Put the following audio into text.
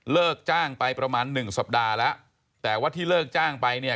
เลิกจ้างไปประมาณหนึ่งสัปดาห์แล้วแต่ว่าที่เลิกจ้างไปเนี่ย